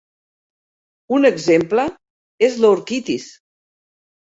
Un exemple és l'orquitis.